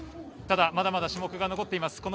ただ、まだまだ種目が残っています。